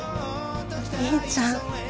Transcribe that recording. お兄ちゃん。